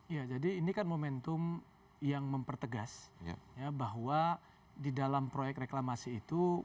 ya jadi ini kan momentum yang mempertegas bahwa di dalam proyek reklamasi itu